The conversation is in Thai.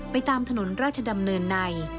ตามถนนราชดำเนินใน